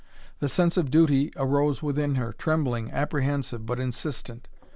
The sense of duty arose within her, trembling, apprehensive, but insistent.